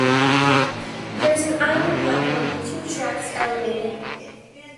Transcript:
There is an island platform with two tracks elevated.